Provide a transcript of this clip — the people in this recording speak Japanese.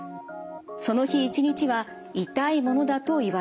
その日一日は痛いものだと言われました。